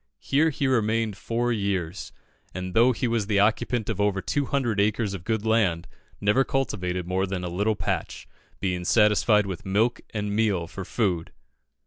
Here he remained four years, and though he was the occupant of over 200 acres of good land, never cultivated more than a little patch, "being satisfied with milk and meal for food."